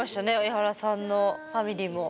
エハラさんのファミリーも。